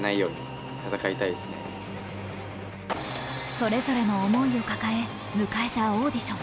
それぞれの思いを抱え、迎えたオーディション。